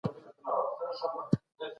ملکي وګړي د وینا بشپړه ازادي نه لري.